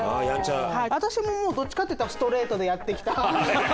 私ももうどっちかというとストレートでやってきた。